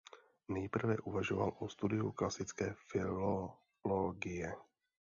Nejprve uvažoval o studiu klasické filologie.